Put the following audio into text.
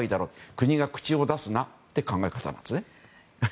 国が口を出すなという考え方なんですね。